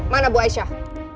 mana bu aisyah